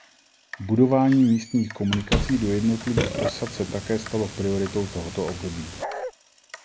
Budování místních komunikaci do jednotlivých osad se také stalo prioritou tohoto období.